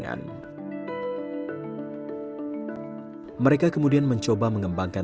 akibatnya ketersediaan sayuran hijau segar masyarakat pulau sangat bergantung pada pasokan dari daratan